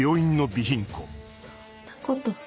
そんなこと。